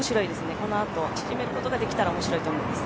このあと縮めることができたら面白いと思います。